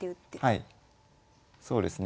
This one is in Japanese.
はいそうですね